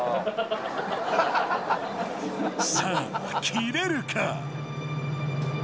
さぁ切れるか？